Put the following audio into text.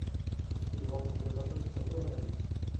Vystudoval konzervatoř v Petrohradě.